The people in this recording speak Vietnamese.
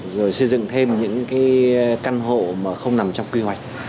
rồi xây dựng thêm những căn hộ mà không nằm trong quy hoạch